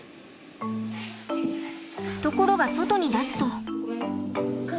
ところが外に出すと。